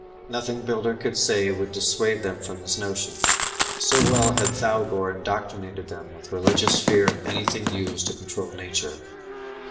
Nothing Builder could say would dissuade them from this notion, so well had Thougor indoctrinated them with religious fear of anything used to control nature.